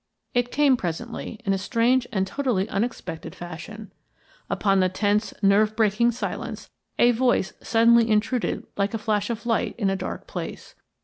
It came presently in a strange and totally unexpected fashion. Upon the tense, nerve breaking silence, a voice suddenly intruded like a flash of light in a dark place.